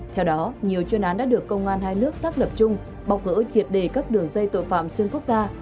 theo đó nhiều chuyên án đã được công an hai nước xác lập chung bọc gỡ triệt đề các đường dây tội phạm xuyên quốc gia